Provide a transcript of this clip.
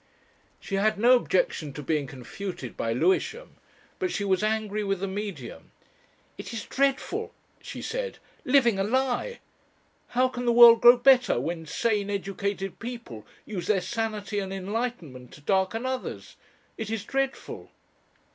She had no objection to being confuted by Lewisham. But she was angry with the Medium, "It is dreadful," she said. "Living a lie! How can the world grow better, when sane, educated people use their sanity and enlightenment to darken others? It is dreadful!